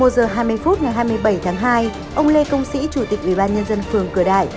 một mươi giờ hai mươi phút ngày hai mươi bảy tháng hai ông lê công sĩ chủ tịch ubnd phường cửa đại